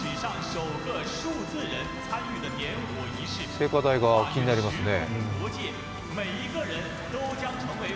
聖火台が気になりますね。